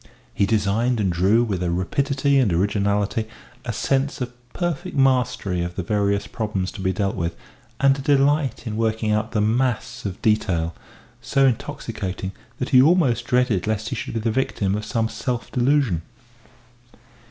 He designed and drew with a rapidity and originality, a sense of perfect mastery of the various problems to be dealt with, and a delight in the working out of mass and detail, so intoxicating that he almost dreaded lest he should be the victim of some self delusion.